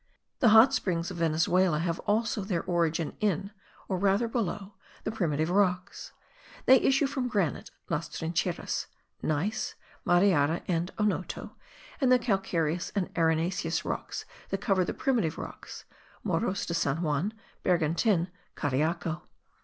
The hot springs of Venezuela have also their origin in, or rather below, the primitive rocks. They issue from granite (Las Trincheras), gneiss (Mariara and Onoto) and the calcareous and arenaceous rocks that cover the primitive rocks (Morros de San Juan, Bergantin, Cariaco).